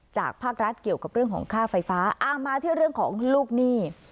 ภาครัฐเกี่ยวกับเรื่องของค่าไฟฟ้ามาที่เรื่องของลูกหนี้